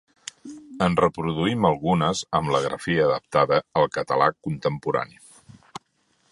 En reproduïm algunes amb la grafia adaptada al català contemporani.